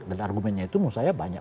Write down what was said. dan argumennya itu menurut saya banyak